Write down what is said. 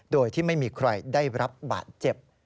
โดยที่ไม่มีใครได้รับบาดเจ็บ